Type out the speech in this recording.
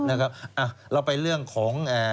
เราไปเรื่องของ